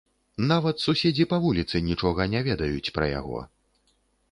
Нават суседзі па вуліцы нічога не ведаюць пра яго.